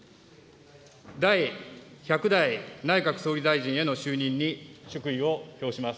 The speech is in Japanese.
第１００代内閣総理大臣への就任に祝意を表します。